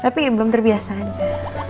tapi belum terbiasa aja